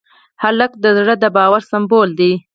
هلک د زړه د باور سمبول دی.